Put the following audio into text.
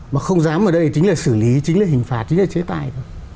mà không dám ở đây chính là xử lý chính là hình phạt chính là chế tài thôi